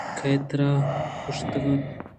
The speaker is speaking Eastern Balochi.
کئے ءَترا گُشتگ اَت